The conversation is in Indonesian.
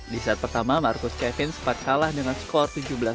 di set pertama marcus kevin sempat kalah dengan skor tujuh belas dua puluh